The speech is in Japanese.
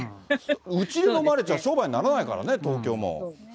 うちで飲まれちゃ商売にならないからね、東京も。